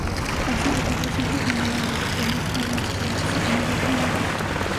Ha sido varias veces nominado a los premios Florencio Sánchez, y Trinidad Guevara.